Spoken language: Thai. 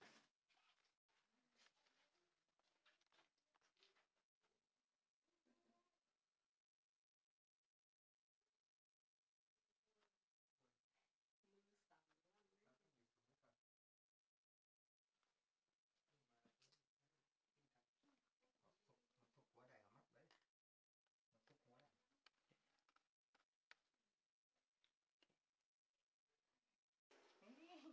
ขึ้นให้ประวัติ